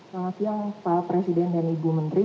selamat siang pak presiden dan ibu menteri